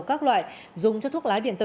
các loại dùng cho thuốc lá điện tử